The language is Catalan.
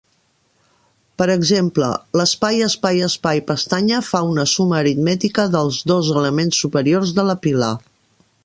Per exemple, l'espai-espai-espai-pestanya fa una suma aritmètica dels dos elements superiors de la pila.